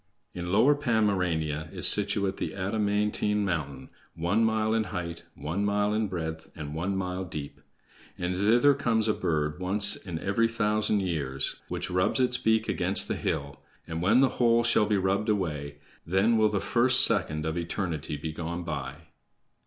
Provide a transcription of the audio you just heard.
"In Lower Pomerania is situate the adamantine mountain, one mile in height, one mile in breadth, and one mile deep; and thither comes a bird once in every thousand years which rubs its beak against the hill, and, when the whole shall be rubbed away, then will the first second of eternity be gone by."